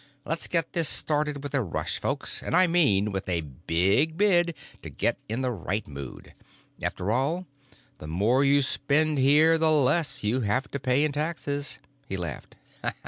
Let's get this started with a rush, folks, and I mean with a big bid to get in the right mood. After all, the more you spend here the less you have to pay in taxes," he laughed.